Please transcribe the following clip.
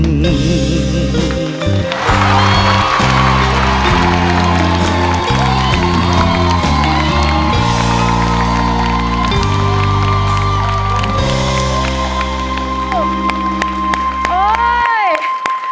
ยังห่วงเสมอ